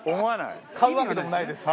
買うわけでもないですし。